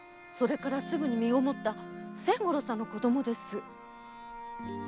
それからすぐに身ごもった千五郎さんの子供です。